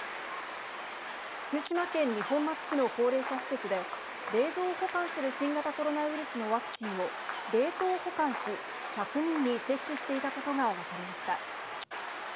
福島県二本松市の高齢者施設で、冷蔵保管する新型コロナウイルスのワクチンを、冷凍保管し、１００人に接種していたことが分かりました。